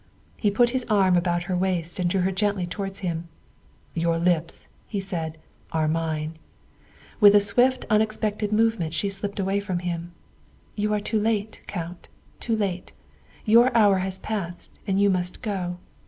'' He put his arm about her waist and drew her gently towards him. '' Your lips, '' he said, '' are mine. '' With a swift, unexpected movement she slipped away from him. " You are too late, Count, too late. Your hour has passed and you must go.